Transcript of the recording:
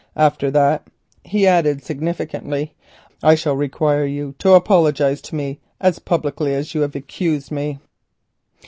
After that," he added significantly, "I shall require you to apologise to me as publicly as you have accused me."